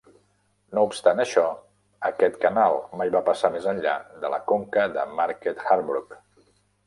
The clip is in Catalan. No obstant això, aquest canal mai va passar més enllà de la conca de Market Harborough.